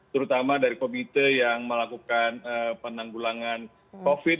terutama dari komite yang melakukan penanggulangan covid